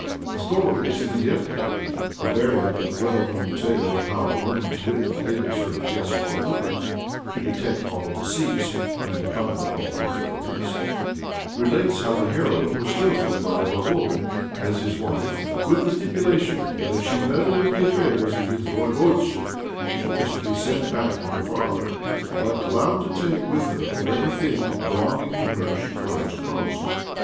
The story of "Semilétka" a variant of the well known tale of how a woman's wit enables her to guess all riddles, to detect all deceits, and to conquer all difficulties relates how the heroine was chosen by a Voyvode as his wife, with the stipulation that if she meddled in the affairs of his Voyvodeship she was to be sent back to her father, but allowed to take with her whatever thing belonging to her she prized most.